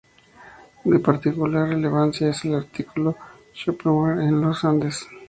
De particular relevancia es el artículo "Schopenhauer en los Andes".